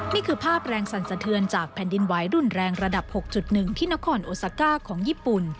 นี่คือภาพแรงสั่นสะเทือนจากแผ่นดินไหวรุนแรงระดับ๖๑ที่นครโอซาก้าของญี่ปุ่น